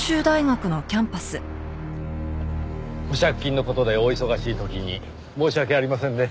保釈金の事でお忙しい時に申し訳ありませんね。